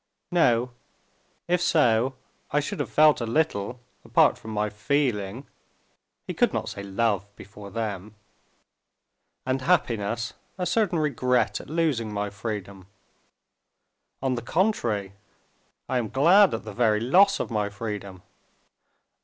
"No; if so, I should have felt a little, apart from my feeling" (he could not say love before them) "and happiness, a certain regret at losing my freedom.... On the contrary, I am glad at the very loss of my freedom."